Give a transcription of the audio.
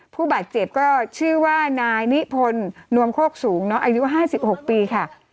ผู้บาดเจ็บก็ชื่อว่านายนิพนธ์นวมโคกสูงอายุ๕๖ปีค่ะ